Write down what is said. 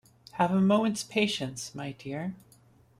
Have a moment's patience, my dear.